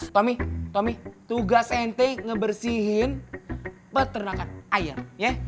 tommy tommy tugas ente ngebersihin peternakan air ya